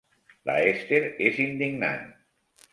La Hester és indignant.